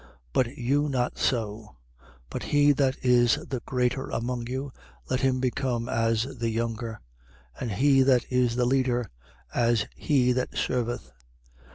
22:26. But you not so: but he that is the greater among you, let him become as the younger: and he that is the leader, as he that serveth.